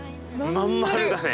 真ん丸だね